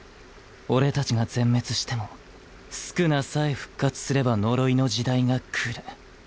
俺たちが全滅しても宿儺さえ復活すれば呪いの時代が来る。